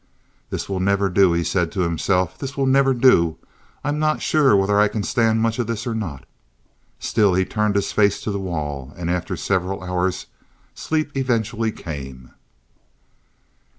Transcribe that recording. "This will never do," he said to himself. "This will never do. I'm not sure whether I can stand much of this or not." Still he turned his face to the wall, and after several hours sleep eventually came.